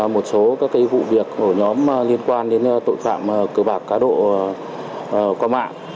một số các vụ việc của nhóm liên quan đến tội phạm cửa bạc cá độ qua mạng